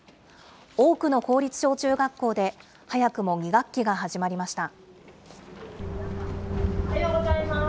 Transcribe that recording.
多くの公立小中学校で、早くも２学期が始まりました。